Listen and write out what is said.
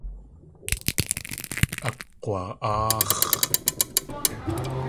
Akg̲wa.áax̲.